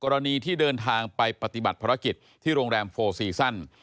รณีที่เดินทางไปปฏิบัติภารกิจที่โรงแรมโฟลซีซั่น